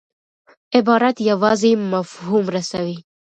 عبارت یوازي مفهوم رسوي.